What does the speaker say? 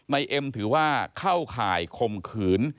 เอ็มถือว่าเข้าข่ายข่มขืน